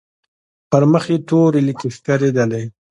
پر مخ يې تورې ليکې ښکارېدلې.